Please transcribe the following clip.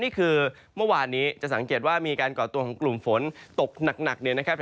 นี่คือเมื่อวานนี้จะสังเกตว่ามีการก่อตัวของกลุ่มฝนตกหนักเนี่ยนะครับ